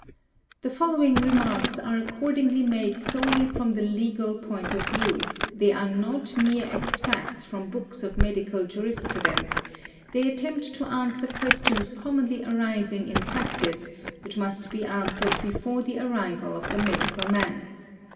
'} The following remarks are accordingly made solely from the legal point of view; they are not mere extracts from books of medical jurispru dence; they attempt to answer questions commonly arising in practice, | which must be answered before the arrival of the medical man.